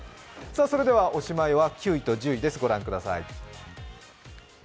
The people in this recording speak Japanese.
おしまいは９位と１０位です。